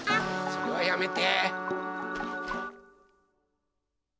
それはやめて。